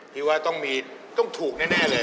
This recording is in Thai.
คือว่าต้องถูกแน่เลย